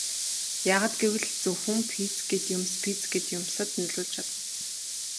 Яагаад гэвэл зөвхөн физик эд юмс физик эд юмсад нөлөөлж чадна.